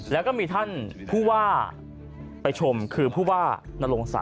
แล้วก็มีท่านผู้ว่าไปชมคือผู้ว่านรงศักดิ